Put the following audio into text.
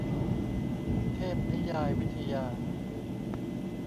เทพนิยายวิทยา